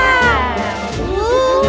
saya sudah berjalan ke arahnya